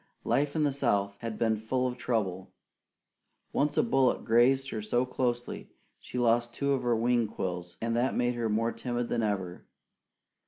Life in the South had been full of trouble. Once a bullet grazed her so closely she lost two of her wing quills, and that made her more timid than ever.